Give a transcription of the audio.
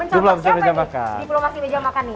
diplomasi beja makan nih